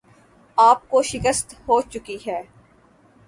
آپ کو شکست ہوچکی ہے